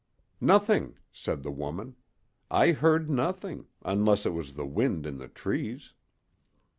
"Nothing," said the woman. "I heard nothing unless it was the wind in the trees."